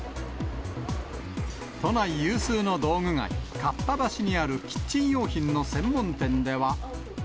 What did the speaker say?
都内有数の道具街、かっぱ橋にあるキッチン用品の専門店では。